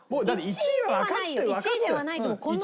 １位ではないよ。